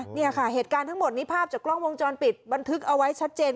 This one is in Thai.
เนี่ยค่ะเหตุการณ์ทั้งหมดนี้ภาพจากกล้องวงจรปิดบันทึกเอาไว้ชัดเจน